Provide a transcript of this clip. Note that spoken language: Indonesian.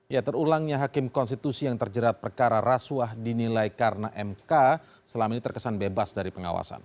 ya terulangnya hakim konstitusi yang terjerat perkara rasuah dinilai karena mk selama ini terkesan bebas dari pengawasan